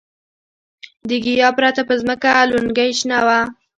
د ګیاه پرته په ځمکه لونګۍ شنه وه.